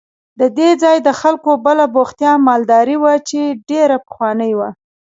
د دې ځای د خلکو بله بوختیا مالداري وه چې ډېره پخوانۍ وه.